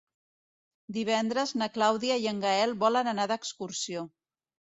Divendres na Clàudia i en Gaël volen anar d'excursió.